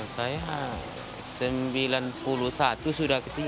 saya sembilan puluh satu sudah ke sini